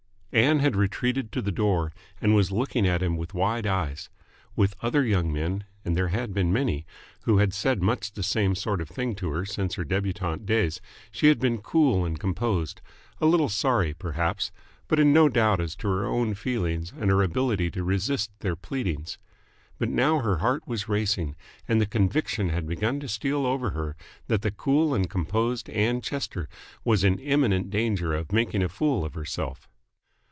Ann had retreated to the door, and was looking at him with wide eyes. With other young men and there had been many who had said much the same sort of thing to her since her debutante days she had been cool and composed a little sorry, perhaps, but in no doubt as to her own feelings and her ability to resist their pleadings. But now her heart was racing, and the conviction had begun to steal over her that the cool and composed Ann Chester was in imminent danger of making a fool of herself.